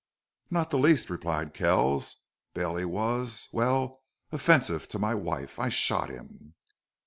"Not the least," replied Kells. "Bailey was well, offensive to my wife. I shot him."